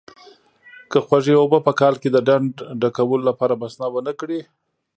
که خوږې اوبه په کال کې د ډنډ ډکولو لپاره بسنه ونه کړي.